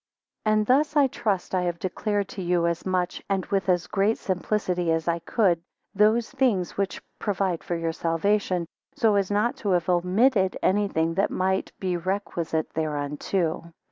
AND thus I trust, I have declared to you as much, and with as great simplicity as I could, those, things which provide for your salvation, so as not to have omitted any thing that might be requisite thereunto.